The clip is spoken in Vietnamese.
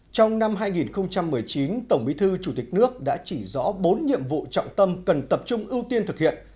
trong năm hai nghìn một mươi chín tổng bí thư chủ tịch nước đã chỉ rõ bốn nhiệm vụ trọng tâm cần tập trung ưu tiên thực hiện